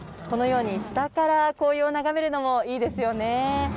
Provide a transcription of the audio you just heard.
下から紅葉を眺めるのもいいですよね。